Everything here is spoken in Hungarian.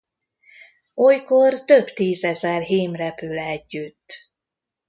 Olykor több tízezer hím repül együtt.